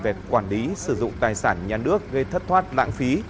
về quản lý sử dụng tài sản nhà nước gây thất thoát lãng phí